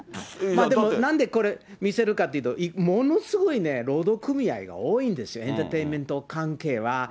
なんでこれ見せるかっていうと、ものすごい、労働組合が多いんですよ、エンターテインメント関係は。